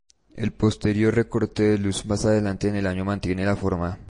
El posterior recorte de luz más adelante en el año mantiene la forma.